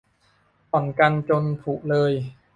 ผ่อนกันจนผุเลย